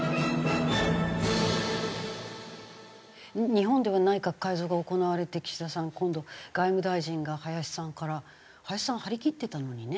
日本では内閣改造が行われて岸田さん今度外務大臣が林さんから林さん張り切ってたのにね。